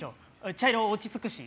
茶色、落ち着くし。